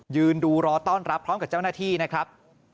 ยืนดูรอต้อนรับพร้อมกับเจ้าหน้าที่นะครับ